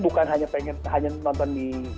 bukan hanya pengen nonton di